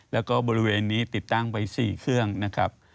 แล้วก็บริเวณนี้ติดตั้งไว้๔เครื่องนะครับ